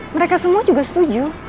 mereka semua juga setuju